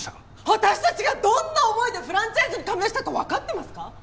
私たちがどんな思いでフランチャイズに加盟したかわかってますか！？